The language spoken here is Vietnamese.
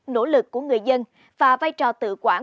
nỗ lực của người dân và vai trò tự quản